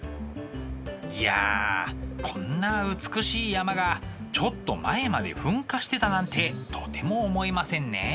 いやこんな美しい山がちょっと前まで噴火してたなんてとても思えませんねえ。